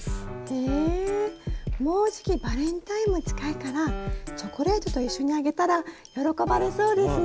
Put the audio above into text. へえもうじきバレンタインも近いからチョコレートと一緒にあげたら喜ばれそうですね。